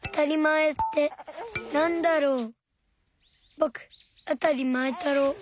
ぼくあたりまえたろう。